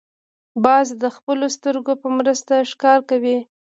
باز د خپلو سترګو په مرسته ښکار کوي